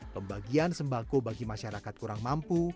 pembagian sembako bagi masyarakat kurang mampu